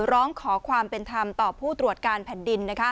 ร้องขอความเป็นธรรมต่อผู้ตรวจการแผ่นดิน